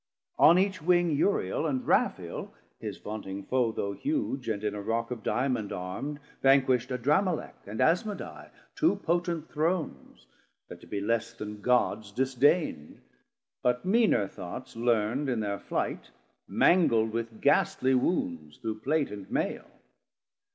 On each wing Uriel and Raphael his vaunting foe, Though huge, and in a Rock of Diamond Armd, Vanquish'd Adramelec, and Asmadai, Two potent Thrones, that to be less then Gods Disdain'd, but meaner thoughts learnd in thir flight, Mangl'd with gastly wounds through Plate and Maile.